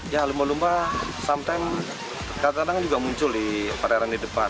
ya lumba lumba something kadang kadang juga muncul di perairan di depan